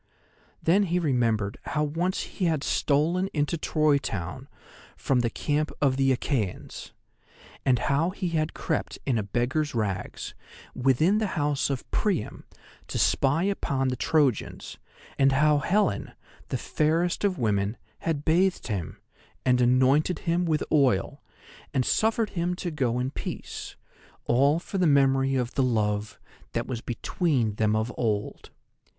Then he remembered how once he had stolen into Troy town from the camp of the Achæans, and how he had crept in a beggar's rags within the house of Priam to spy upon the Trojans, and how Helen, the fairest of women, had bathed him, and anointed him with oil, and suffered him to go in peace, all for the memory of the love that was between them of old.